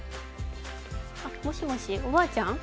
もしもし、おばあちゃん？